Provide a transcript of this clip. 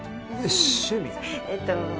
えっと